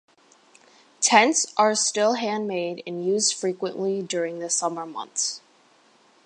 Tents are still hand made and used frequently during the summer months.